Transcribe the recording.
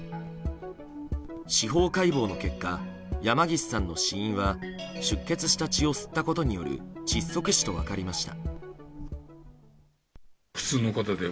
司法解剖の結果山岸さんの死因は出血した血を吸ったことによる窒息死と分かりました。